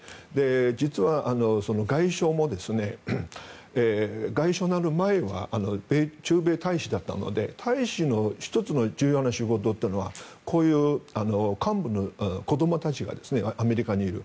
実は外相も、外相になる前は駐米大使だったので大使の１つの重要な仕事というのはこういう幹部の子どもたちがアメリカにいる。